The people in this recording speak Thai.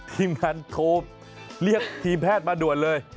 ทีมงานโทรเรียกทีมแพทย์มาด่วนเลย